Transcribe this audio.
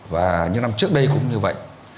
và những năm trước đây cũng như vậy